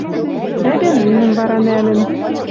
Дӓ Берлинӹм вара нӓлӹн